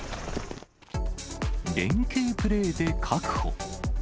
連係プレーで確保。